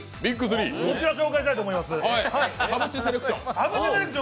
こちらを紹介したいと思います。